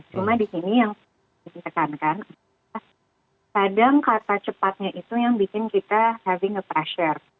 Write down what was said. cuma di sini yang ditekankan kadang kata cepatnya itu yang bikin kita having a pressure